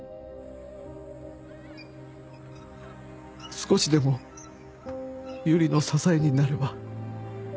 少しでも由梨の支えになれば。